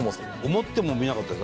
思ってもみなかったです。